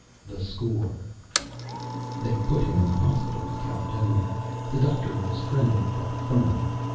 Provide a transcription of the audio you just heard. THE SCORE They put him in the hospital at Caledonia. The doctor was friendly but firm.